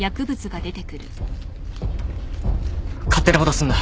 勝手なことすんな。